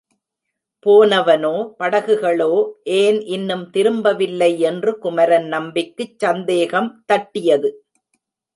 போனவனோ, படகுகளோ ஏன் இன்னும் திரும்பவில்லை என்று குமரன் நம்பிக்குச் சந்தேகம் தட்டியது.